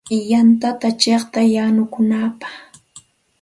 Yantata chiqtay yanukunapaq.